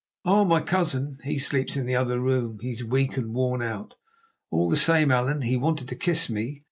"Oh! my cousin sleeps in the other room. He is weak and worn out. All the same, Allan, he wanted to kiss me.